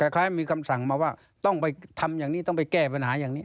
คล้ายมีคำสั่งมาว่าต้องไปทำอย่างนี้ต้องไปแก้ปัญหาอย่างนี้